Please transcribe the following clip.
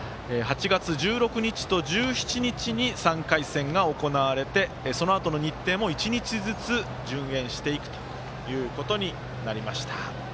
８月１６日と１７日に３回戦が行われてそのあとの日程も１日ずつ順延していくということになりました。